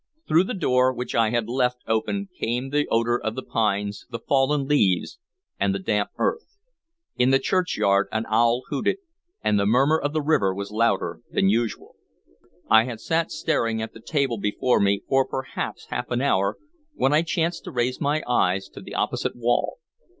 Through the door, which I had left open, came the odor of the pines, the fallen leaves, and the damp earth. In the churchyard an owl hooted, and the murmur of the river was louder than usual. I had sat staring at the table before me for perhaps half an hour, when I chanced to raise my eyes to the opposite wall.